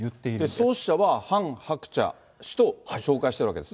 創始者はハン・ハクチャ氏と紹介しているわけですね。